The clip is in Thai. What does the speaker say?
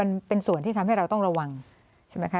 มันเป็นส่วนที่ทำให้เราต้องระวังใช่ไหมคะ